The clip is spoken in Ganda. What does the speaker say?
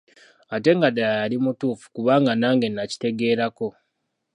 Ate nga ddala yali mutuufu, kubanga nange nakitegeera ko.